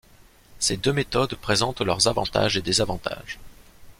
Ces deux méthodes présentent leurs avantages et désavantages.